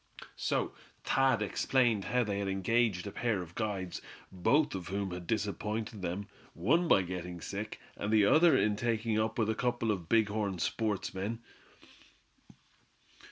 So Thad explained how they had engaged a pair of guides, both of whom had disappointed them, one by getting sick, and the other in taking up with a couple of big horn sportsmen.